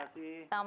iya selamat malam